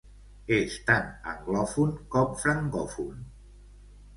És tant anglòfon com francòfon.